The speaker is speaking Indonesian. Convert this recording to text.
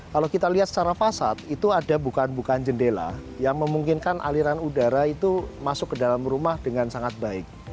kalau kita lihat secara fasad itu ada bukaan bukaan jendela yang memungkinkan aliran udara itu masuk ke dalam rumah dengan sangat baik